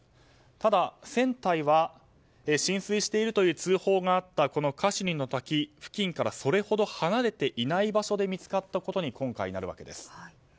ただ、船体は浸水しているという通報があったカシュニの滝付近からそれほど離れていない場所で今回、見つかったことになるわけです。